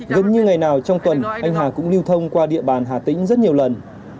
gần như ngày nào trong tuần anh hà cũng lưu thông qua địa bàn hà tĩnh rất nhiều lần